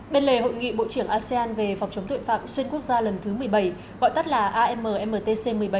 bên lề hội nghị bộ trưởng asean về phòng chống tội phạm xuyên quốc gia lần thứ một mươi bảy gọi tắt là ammtc một mươi bảy